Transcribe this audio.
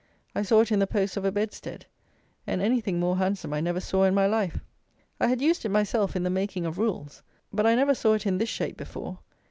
I saw it in the posts of a bed stead; and any thing more handsome I never saw in my life. I had used it myself in the making of rules; but I never saw it in this shape before.